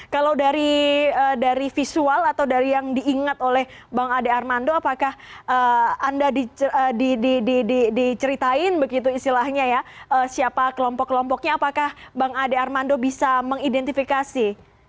kalau dari visual atau dari yang diingat oleh bang ade armando apakah anda diceritain begitu istilahnya ya siapa kelompok kelompoknya apakah bang ade armando bisa mengidentifikasi